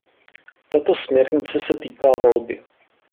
Tato směrnice se týká volby.